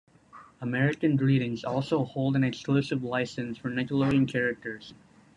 American Greetings also holds an exclusive license for Nickelodeon characters.